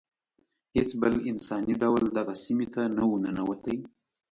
هیڅ بل انساني ډول دغه سیمې ته نه و ننوتی.